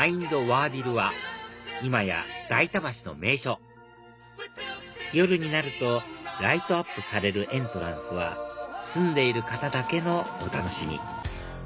和亜美瑠は今や代田橋の名所夜になるとライトアップされるエントランスは住んでいる方だけのお楽しみ